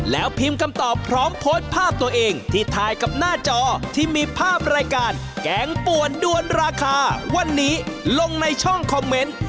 แล้วพิมพ์คำตอบพร้อมโพสต์ภาพตัวเองที่ถ่ายกับหน้าจอที่มีภาพรายการแกงป่วนด้วนราคาวันนี้ลงในช่องคอมเมนต์